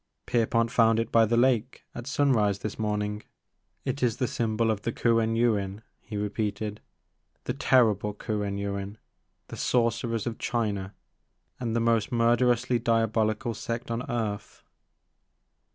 Pierpont found it by the lake at sunrise this M 36 The Maker of Moons. morning. It is the symbol of the Kuen Yuin," he repeated, the terrible Kuen Yuin, the sorcer ers of China, and the most murderously diabolical sect on earth.